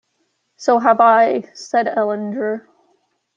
"So have I," said Ellinger.